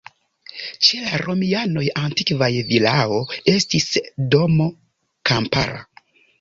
Ĉe la romianoj antikvaj vilao estis domo kampara.